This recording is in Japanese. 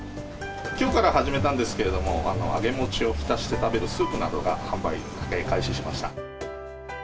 きょうから始めたんですけど、揚げ餅を浸して食べるスープなどが販売開始しました。